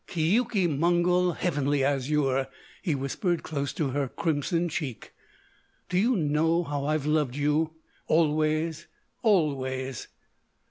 "Keuke Mongol—Heavenly Azure," he whispered close to her crimsoned cheek, "do you know how I have loved you—always—always?"